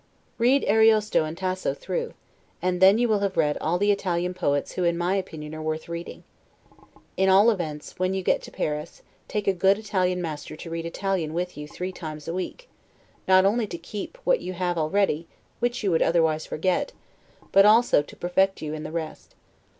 Read Ariosto and Tasso through, and then you will have read all the Italian poets who in my opinion are worth reading. In all events, when you get to Paris, take a good Italian master to read Italian with you three times a week; not only to keep what you have already, which you would otherwise forget, but also to perfect you in the rest.